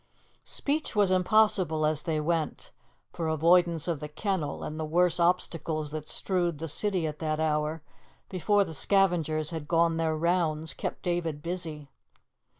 Speech was impossible as they went, for avoidance of the kennel and the worse obstacles that strewed the city at that hour, before the scavengers had gone their rounds, kept David busy.